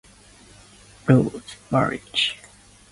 Rose was a stage actress, and continued her career after their marriage.